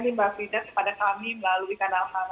di mbak fides kepada kami melalui kanal kanal medsos kmdb